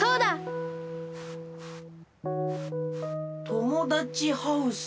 ともだちハウス。